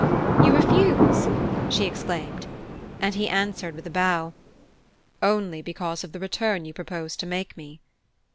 "You refuse?" she exclaimed; and he answered with a bow: "Only because of the return you propose to make me."